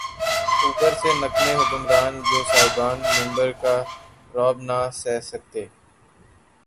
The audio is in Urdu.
اوپر سے نکمّے حکمران‘ جو صاحبان منبر کا رعب نہ سہہ سکتے۔